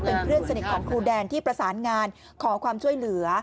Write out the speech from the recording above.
เป็นเพื่อนสนิทของครูแดนที่ประสานงานขอความช่วยเหลือ